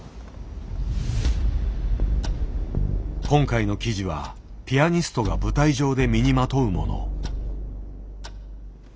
今回の生地はピアニストが舞台上で身にまとうもの。